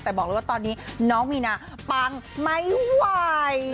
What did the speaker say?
แต่บอกเลยว่าตอนนี้น้องมีนาปังไม่ไหว